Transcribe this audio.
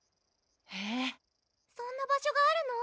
へぇそんな場所があるの？